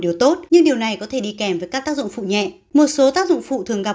điều tốt nhưng điều này có thể đi kèm với các tác dụng phụ nhẹ một số tác dụng phụ thường gặp